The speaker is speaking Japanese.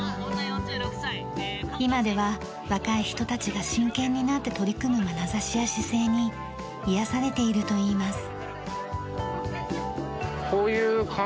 今では若い人たちが真剣になって取り組むまなざしや姿勢に癒やされているといいます。